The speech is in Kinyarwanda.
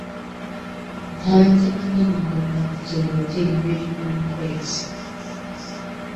Ntajya ananirwa kwandikira ababyeyi be rimwe mu kwezi.